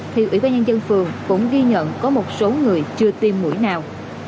thì ủy ban nhân dân phường cũng ghi nhận có một số người chưa tiêm mũi nào